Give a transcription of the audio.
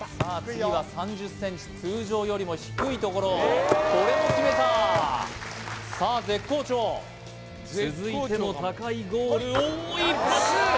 次は３０ｃｍ通常よりも低いところこれも決めたさあ絶好調続いての高いゴールおお１発！